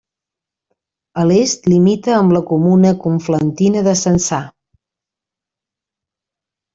A l'est limita amb la comuna conflentina de Censà.